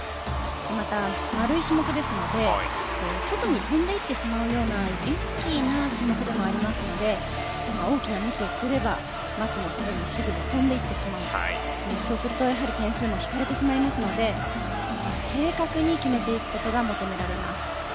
また、軽い種目ですので外に飛んで行ってしまうようなリスキーな種目でもありますので大きなミスをすればマットの外に、手具が飛んで行ってしまうのでそうすると点数も引かれてしまいますので正確に決めていくことが求められます。